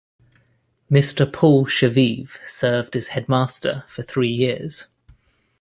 Mr. Paul Shaviv served as headmaster for three years.